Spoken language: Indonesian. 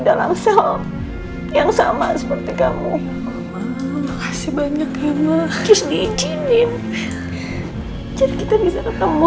dalam sel yang sama seperti kamu kasih banyak ya maaf diijinin kita bisa ketemu